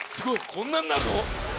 こんなんなるの？